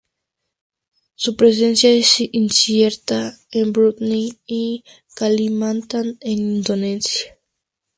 Su presencia es incierta en Brunei y Kalimantan en Indonesia.